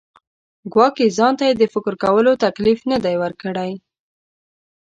ګواکې ځان ته یې د فکر کولو تکلیف نه دی ورکړی.